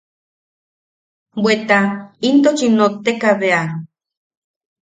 Bweta intuchi notteka bea.